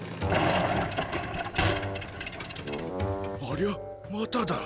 ありゃまただ。